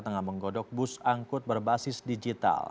tengah menggodok bus angkut berbasis digital